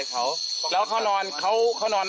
ขอบคุณทุกคน